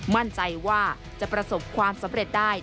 มั่นใจว่าจะประสบความสำเร็จได้